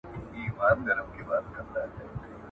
عشقي خبرې هم موجودې دي.